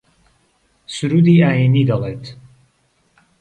سروودی ئایینی دەڵێت